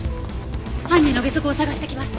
犯人のゲソ痕を探してきます。